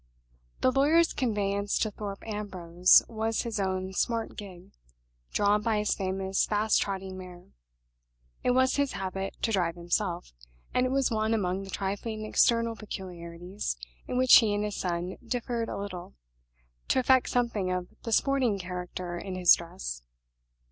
The lawyer's conveyance to Thorpe Ambrose was his own smart gig, drawn by his famous fast trotting mare. It was his habit to drive himself; and it was one among the trifling external peculiarities in which he and his son differed a little, to affect something of the sporting character in his dress.